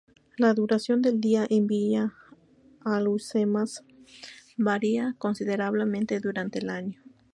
La duración del día en Villa Alhucemas varía considerablemente durante el año.